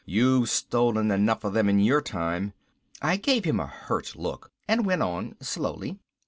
"You've stolen enough of them in your time." I gave him a hurt look and went on slowly.